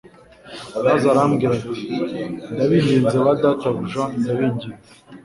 maze arababwira ati: «ndabinginze ba databuja ndabiginze,